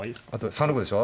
３六でしょ。